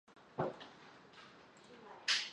胡商彝是清朝光绪癸卯科进士。